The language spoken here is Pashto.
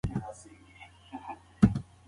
موږ باید خپل تاریخي ویاړونه وساتو.